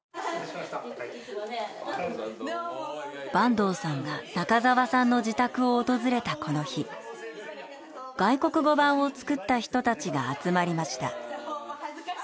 坂東さんが中沢さんの自宅を訪れたこの日外国語版を作った人たちが集まりました。